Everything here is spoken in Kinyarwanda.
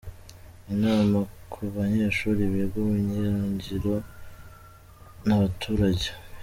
Inama ku banyeshuri biga ubumenyingiro n’abaturage.